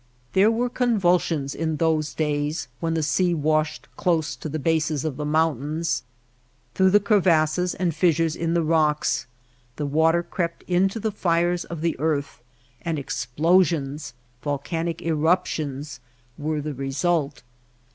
There were convulsions in those days when the sea washed close to the bases of the moun tains. Through the crevasses and fissures in the rocks the water crept into the fires of the earth, and explosions — volcanic eruptions — were the result.